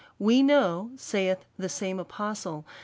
We know, saith the same apostle.